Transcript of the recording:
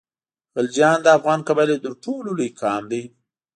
غلجیان د افغان قبایلو تر ټولو لوی قام دی.